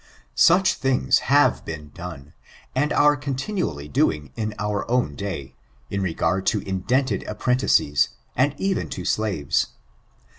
Such things have been done, and are continually doing in our own day, in regard to indented apprentices, and even to slaves.